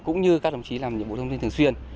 cũng như các đồng chí làm nhiệm vụ thông tin thường xuyên